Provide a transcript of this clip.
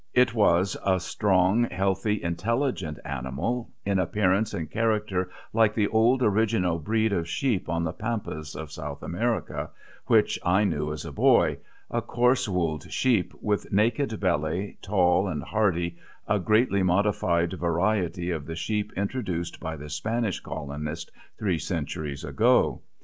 It was a strong, healthy, intelligent animal, in appearance and character like the old original breed of sheep on the pampas of South America, which I knew as a boy, a coarse woolled sheep with naked belly, tall and hardy, a greatly modified variety of the sheep introduced by the Spanish colonist three centuries ago.